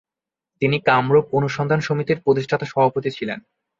তিনি কামরূপ অনুসন্ধান সমিতির প্রতিষ্ঠাতা সভাপতি ছিলেন।